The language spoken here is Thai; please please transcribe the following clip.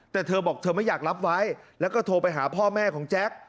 แต่เธอบอกเธอไม่อยากรับไว้แล้วก็โทรไปหาพ่อแม่ของแจ๊ค